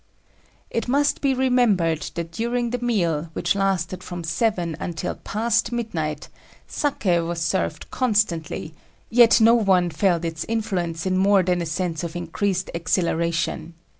It must be remembered that during the meal, which lasted from seven until past midnight, saki was served constantly yet no one felt its influence in more than a sense of increased exhilaration.